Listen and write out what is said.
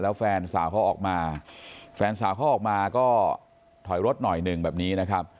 แล้วแฟนสาวเขาออกมาแฟนสาวเขาออกมาก็ถอยรถหน่อยหนึ่งแบบนี้นะครับ